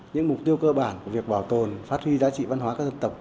những mục tiêu cơ bản của việc bảo tồn phát huy giá trị văn hóa các dân tộc